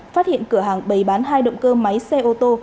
phát hiện cửa hàng bày bán hai động cơ máy xe ô tô